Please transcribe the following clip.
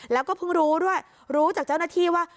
แล้วก็เพิ่งรู้ด้วยรู้จากเจ้าหน้าที่ว่า